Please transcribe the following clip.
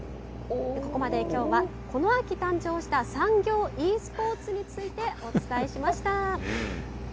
ここまできょうは、この秋誕生した産業Ｅスポーツについて、お伝えしました。